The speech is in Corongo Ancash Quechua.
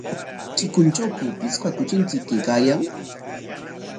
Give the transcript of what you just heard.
¿Chikuntrawku pichqa kuchinchik kaykaayan?